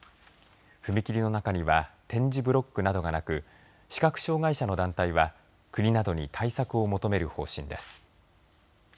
踏切の中には点字ブロックなどがなく視覚障害者の団体は国などに対策を求める方針です。